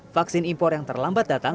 vaksin impor yang terlambat datang